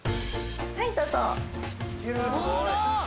はいどうぞ。